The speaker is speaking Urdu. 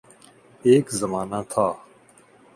ایک زمانہ تھا۔